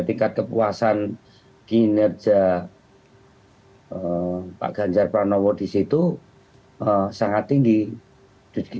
tingkat kepuasan kinerja pak ganjar pranowo disitu sangat tinggi